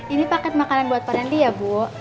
ini paket makanan buat pandan dia bu